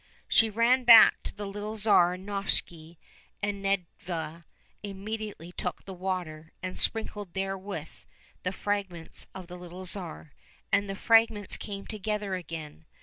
She ran back to the little Tsar Novishny, and Nedviga immediately took the water and sprinkled therewith the fragments of the little Tsar, and the fragments came together again.